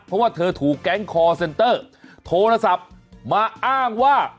เพราะว่าเธอถูกแก๊งคอร์เซ็นเตอร์โทรศัพท์มาอ้างว่า